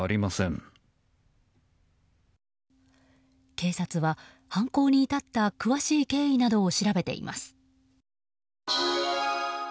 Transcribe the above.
警察は、犯行に至った詳しい経緯などを調べています。